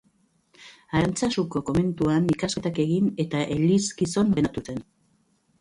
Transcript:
Arantzazuko komentuan ikasketak egin eta elizgizon ordenatu zen.